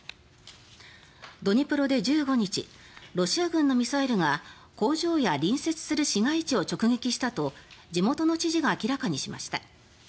ドニプロで１５日ロシア軍のミサイルが工場や隣接する市街地を直撃したと地元の知事が明らかにしました。